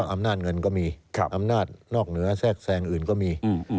อำนาจเงินก็มีอำนาจนอกเหนือแทรกแทรงอื่นก็มี